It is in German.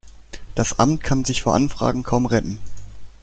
Das Amt kann sich vor Anfragen kaum retten.